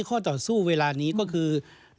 ข้อต่อสู้เวลานี้ก็คือ